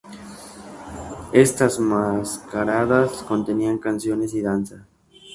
Estas mascaradas contenían canciones y danzas.